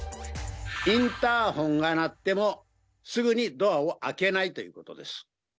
インターホンが鳴っても、すぐにドアを開けないということです。